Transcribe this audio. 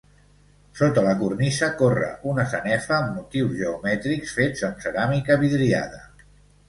Sota la cornisa corre una sanefa amb motius geomètrics, fets amb ceràmica vidriada.